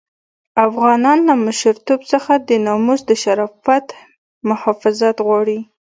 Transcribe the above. افغانان له مشرتوب څخه د ناموس د شرافت محافظت غواړي.